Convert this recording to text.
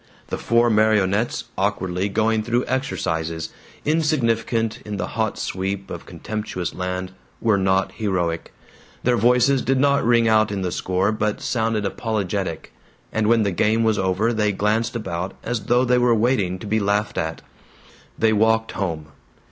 The four marionettes, awkwardly going through exercises, insignificant in the hot sweep of contemptuous land, were not heroic; their voices did not ring out in the score, but sounded apologetic; and when the game was over they glanced about as though they were waiting to be laughed at. They walked home.